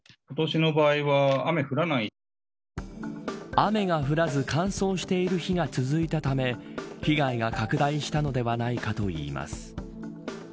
雨が降らず乾燥している日が続いたため被害が拡大したのではないかといいます。